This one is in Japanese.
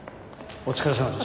お疲れさまです。